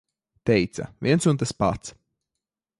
Teica - viens un tas pats.